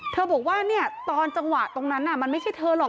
บอกว่าตอนจังหวะตรงนั้นมันไม่ใช่เธอหรอก